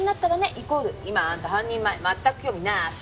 イコール「今あんた半人前全く興味なし」